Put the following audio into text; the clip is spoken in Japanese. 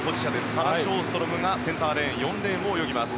サラ・ショーストロムがセンターレーン４レーンを泳ぎます。